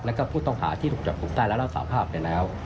และก็ผู้ต้องหาที่ถูกจับตรงใต้และร่างสาวภาพได้แล้ว